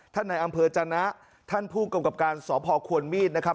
ท่านในอำเภอจานะท่านผู้กรรมกรรมการสอบภอควรมีดนะครับ